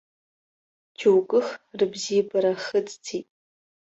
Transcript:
Џьоукых рыбзиабара хыҵӡеит.